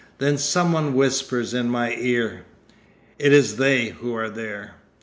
Then someone whispers in my ear: "It is They who are there."